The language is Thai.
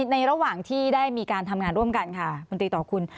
ในระหว่างที่ได้มีการทำงานร่วมกันค่ะคุณตีต่อคุณ